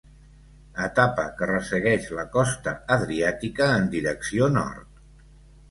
Etapa que ressegueix la costa adriàtica en direcció nord.